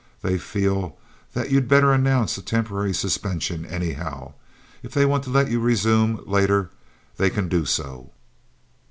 They feel that you'd better announce a temporary suspension, anyhow; and if they want to let you resume later they can do so."